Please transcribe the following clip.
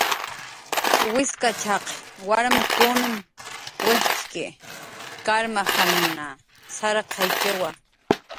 Wiskachaq warmkunmn wijtxki karmajamanmna, sarqaykiwa.